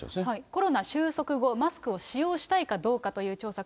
コロナ収束後、マスクを使用したいかどうかという調査。